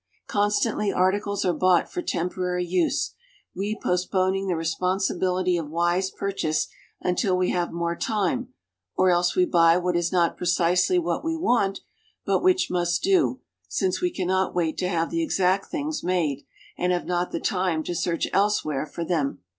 Constantly articles are bought for temporary use we postponing the responsibility of wise purchase until we have more time, or else we buy what is not precisely what we want but which must do, since we cannot wait to have the exact things made, and have not the time to search elsewhere for them.